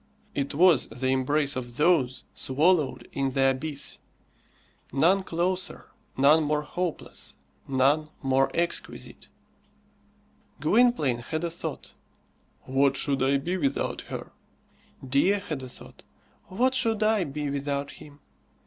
It was the embrace of those swallowed in the abyss; none closer, none more hopeless, none more exquisite. Gwynplaine had a thought "What should I be without her?" Dea had a thought "What should I be without him?"